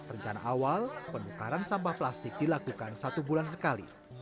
rencana awal penukaran sampah plastik dilakukan satu bulan sekali